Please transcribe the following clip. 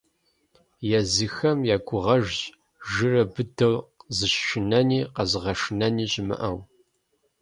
Езыхэм я гугъэжщ жыру быдэу, зыщышынэни къэзыгъэшыни щымыӀэу.